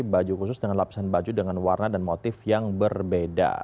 baju khusus dengan lapisan baju dengan warna dan motif yang berbeda